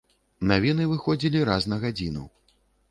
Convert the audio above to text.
Навіны выходзілі раз на гадзіну.